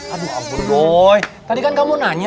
aduh ampun doi tadi kan kamu nanya kenapa aku